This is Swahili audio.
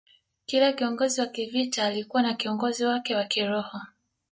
Kila kiongozi wa kivita alikuwa na kiongozi wake wa kiroho